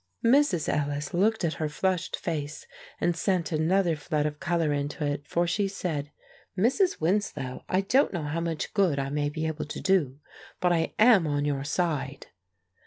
Mrs. Ellis looked at her flushed face, and sent another flood of color into it, for she said, "Mrs. Winslow, I don't know how much good I may be able to do, but I am on your side."